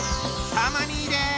たま兄です。